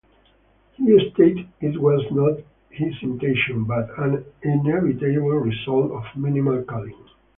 He stated it was not his intention but an inevitable result of minimal coding.